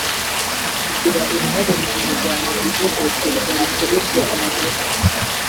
zigira uruhare mu kurwanya ihohoterwa rikorerwa abagore